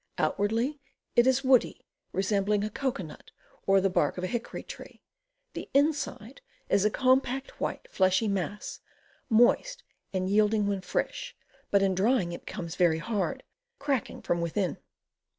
Outwardly it is woody, resembling a cocoanut or the bark of a hickory tree. The inside is a compact, white, fleshy mass, moist and yielding when fresh, but in drying it becomes very hard, cracking from within.